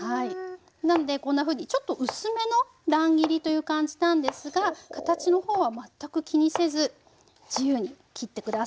なのでこんなふうにちょっと薄めの乱切りという感じなんですが形の方は全く気にせず自由に切って下さい。